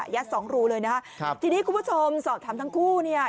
สองรูเลยนะครับทีนี้คุณผู้ชมสอบถามทั้งคู่เนี่ย